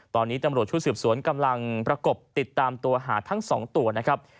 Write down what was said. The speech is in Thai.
ตอนนี้ตำรวจชุดสืบสวนกำลังประกบติดตามตัวหาทั้ง๒ตัวนะครับ